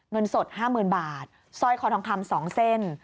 เงินสด๕๐๐๐บาทสร้อยคอทองคำ๒เส้น